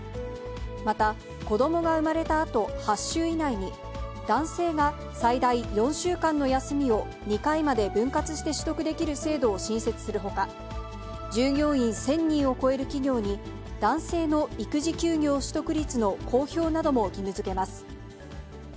また、子どもが産まれたあと８週以内に、男性が最大４週間の休みを、２回まで分割して取得できる制度を新設するほか、従業員１０００人を超える企業に、男性の育児休業取得率の公表なども義務づけます。